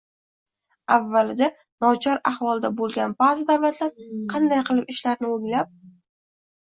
Avvalida nochor ahvolda bo‘lgan ba’zi davlatlar qanday qilib ishlarini o‘nglab